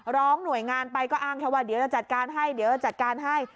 ร้องหน่วยงานไปก็อ้างแค่ว่าเดี๋ยวจะจัดการให้